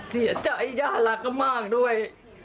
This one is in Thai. เสียใจย่ารักก็มากด้วย